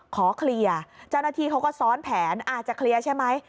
ขอเคลียร์เจ้าหน้าที่เขาก็ซ้อนแผนอาจจะเคลียร์ใช่ไหม